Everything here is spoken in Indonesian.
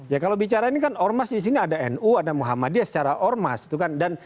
ya kalau bicara ini kan ormas di sini ada nu ada muhammadiyah secara ormas itu kan